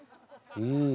うん。